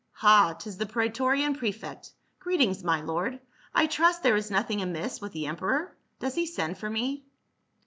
Ha, 'tis the praetorian prefect. Greet ings, my lord ; I trust there is nothing amiss with the emperor ; does he send for me